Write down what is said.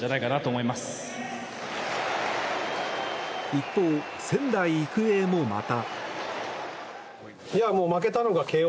一方、仙台育英もまた。